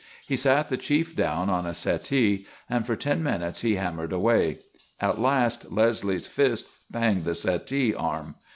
He sat the Chief down on a settee and for ten minutes he hammered away. At last Leslie's fist banged the settee arm.